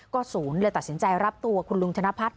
ศูนย์เลยตัดสินใจรับตัวคุณลุงธนพัฒน์